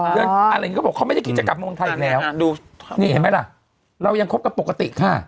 อะไรอย่างนี้เขาบอกเขาไม่ได้คิดจะกลับมาเมืองไทยอีกแล้วนี่เห็นไหมล่ะเรายังคบกันปกติค่ะ